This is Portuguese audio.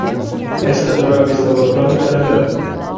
Esta droga estava pronta para andar.